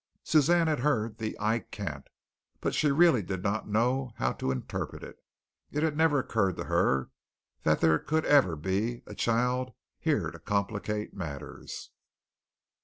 Suzanne had heard the "I can't," but she really did not know how to interpret it. It had never occurred to her that there could ever be a child here to complicate matters.